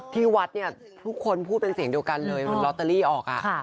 ที่วัดเนี่ยทุกคนพูดเป็นเสียงเดียวกันเลยเหมือนลอตเตอรี่ออก